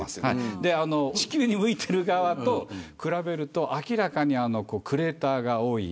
地球に向いている側と比べると明らかにクレーターが多い。